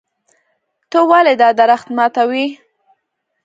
ته ولې دا درخت ماتوې.